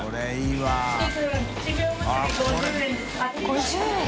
５０円？